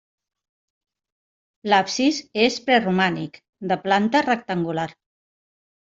L'absis és preromànic, de planta rectangular.